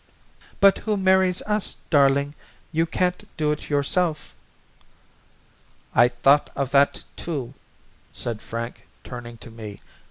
"But who marries us, darling? You can't do it yourself." "I thought of that, too," said Frank, turning to me.